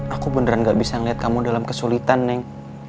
aku beneran gak bisa melihat kamu dalam kesulitan neng